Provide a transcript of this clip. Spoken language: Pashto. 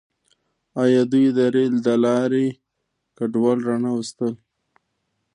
آیا دوی د ریل له لارې کډوال را نه وستل؟